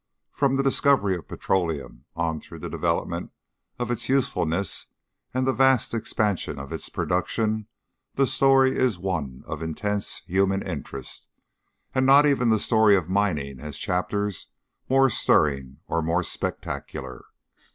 From the discovery of petroleum, on through the development of its usefulness and the vast expansion of its production, the story is one of intense human interest, and not even the story of mining has chapters more stirring or more spectacular.